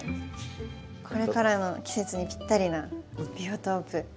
これからの季節にぴったりなビオトープ。